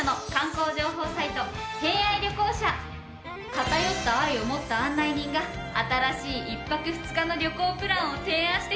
偏った愛を持った案内人が新しい１泊２日の旅行プランを提案してくれるの。